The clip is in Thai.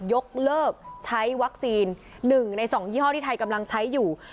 ยกเลิกใช้วัคซีน๑ใน๒ยี่ห้อที่ไทยกำลังใช้อยู่